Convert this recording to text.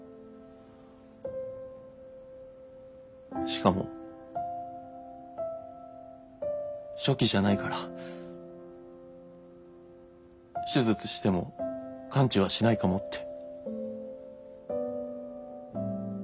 しかも初期じゃないから手術しても完治はしないかもって。